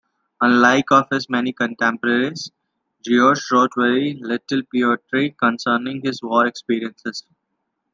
Unlike many of his contemporaries, Garioch wrote very little poetry concerning his war experiences.